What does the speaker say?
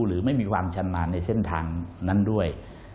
หรือไม่มีความชำนาญในเส้นทางนั้นด้วย